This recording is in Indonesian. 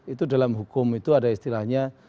itu dalam hukum itu ada istilahnya